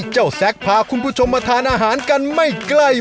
แซคพาคุณผู้ชมมาทานอาหารกันไม่ใกล้